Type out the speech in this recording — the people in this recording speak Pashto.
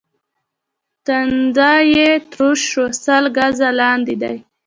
ټنډه يې تروه شوه: سل ګزه لاندې دي.